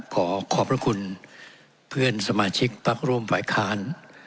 ขอขอบพระคุณเพื่อนสมาชิกพักร่วมฝ่ายค้าน